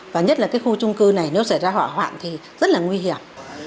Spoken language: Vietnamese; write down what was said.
và nhất là khu trung cư này nếu xảy ra hỏa hoạn thì rất là nguy hiểm